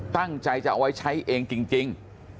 ตั้งใจจะเอาไว้ใช้เองจริง